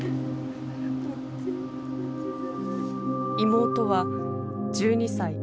妹は１２歳。